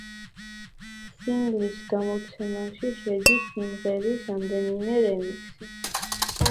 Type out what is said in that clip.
სინგლის გამოცემაში შედის სიმღერის რამდენიმე რემიქსი.